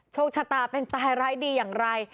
โชคชะตาเป็นตายร้ายดีอย่างไร